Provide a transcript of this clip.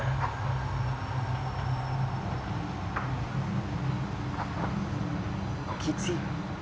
นึกคิดสิ